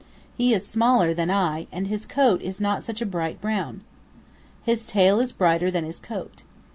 He is smaller than I and his coat is not such a bright brown. His tail is brighter than his coat.